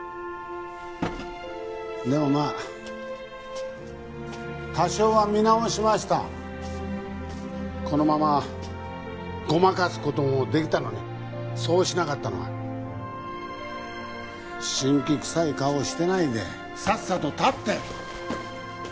でもまあ多少は見直しましたこのままごまかすこともできたのにそうしなかったのは辛気臭い顔してないでさっさと立って！